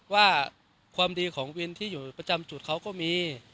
ว่าความดีของวินที่อยู่ประจำจุดเขาก็มี